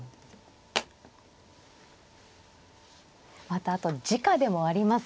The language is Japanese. またあと時価でもありますよね。